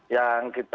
yang gitu ya